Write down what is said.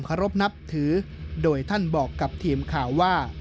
ขอรบนับถือโดยท่านบอกกับทีมข่าวว่า